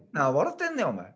てんねんお前。